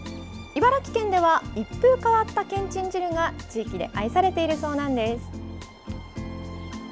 茨城県では、一風変わったけんちん汁が地域で愛されているそうなんです。